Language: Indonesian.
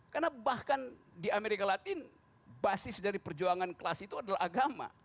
karena bahkan di amerika latin basis dari perjuangan kelas itu adalah agama